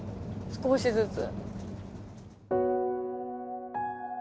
少しずつ。